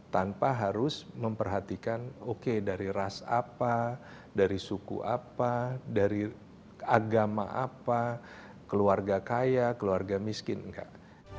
tanpa harus memperhatikan oke dari ras apa dari suku apa dari agama apa keluarga kaya keluarga miskin enggak